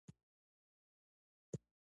موټروان باید د لارې خنډونو ته پام وکړي.